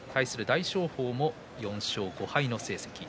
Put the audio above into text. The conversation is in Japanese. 大翔鵬も４勝５敗の成績。